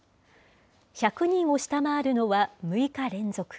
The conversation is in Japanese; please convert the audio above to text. １００人を下回るのは６日連続。